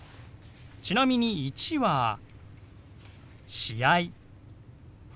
ちなみに１は「試合」。